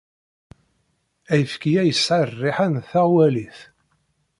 Ayefki-a yesɛa rriḥa d taɣwalit.